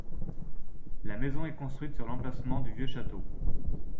La maison est construite sur l'emplacement du vieux château.